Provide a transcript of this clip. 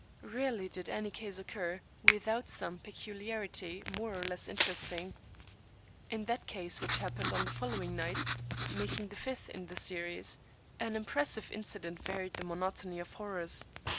Rarely did any case occur without some peculiarity more or less interesting. In that which happened on the follow ing night, making the fifth in the series, an impressive in cident varied the monotony of horrors.